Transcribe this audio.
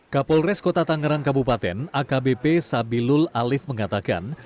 kapolres kota tangerang kabupaten akbp sabilul alif mengatakan